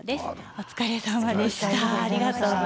お疲れさまでした。